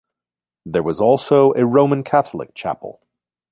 There was also a Roman Catholic chapel.